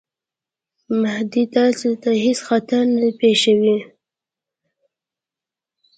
مهدي تاسي ته هیڅ خطر نه پېښوي.